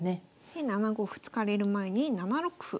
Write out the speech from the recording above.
で７五歩突かれる前に７六歩。